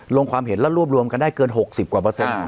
ความเห็นแล้วรวบรวมกันได้เกิน๖๐กว่าเปอร์เซ็นต์